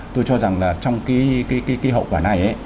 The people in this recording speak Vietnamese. tôi cho rằng là trong cái hậu quả này